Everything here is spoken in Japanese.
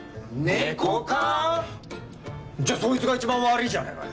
じゃあそいつが一番悪いじゃねえかよ。